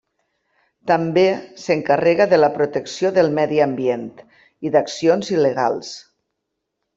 També s'encarrega de la protecció del medi ambient i d'accions il·legals.